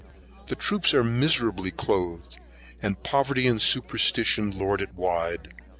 The troops are miserably cloathed, and poverty and superstition lord it wide.